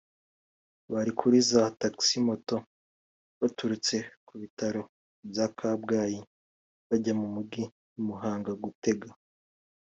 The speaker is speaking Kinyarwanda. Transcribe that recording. Bari kuri za taxi moto baturutse ku bitaro bya Kabgayi bajya mu mugi i Muhanga gutega